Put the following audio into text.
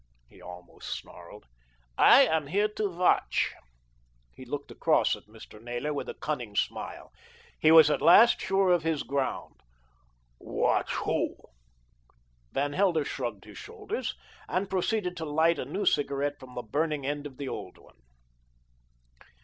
he almost snarled. "I am here to watch." He looked across at Mr. Naylor with a cunning smile. He was at last sure of his ground. "Watch who?" Van Helder shrugged his shoulders, and proceeded to light a new cigarette from the burning end of the old one.